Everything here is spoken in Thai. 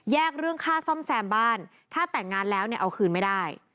เรื่องค่าซ่อมแซมบ้านถ้าแต่งงานแล้วเนี่ยเอาคืนไม่ได้